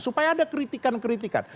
supaya ada kritikan kritikan